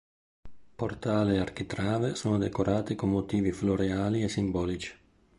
Portale e architrave sono decorati con motivi floreali e simbolici.